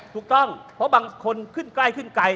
ถูกต้องเพราะบางคนขึ้นใกล้ขึ้นไกล